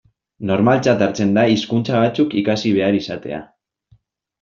Normaltzat hartzen da hizkuntza batzuk ikasi behar izatea.